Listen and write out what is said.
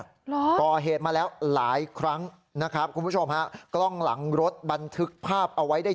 เหรอก่อเหตุมาแล้วหลายครั้งนะครับคุณผู้ชมฮะกล้องหลังรถบันทึกภาพเอาไว้ได้